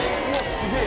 すげえ！